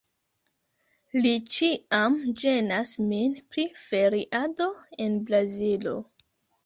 Li ĉiam ĝenas min pri feriado en Brazilo